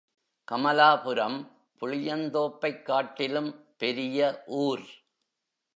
கமலாபுரம் புளியந்தோப்பைக் காட்டிலும் பெரிய ஊர்.